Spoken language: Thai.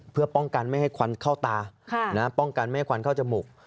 เพื่อป้องกันไม่ให้ควันเข้าตาป้องกันไม่ให้ควันเข้าจมูก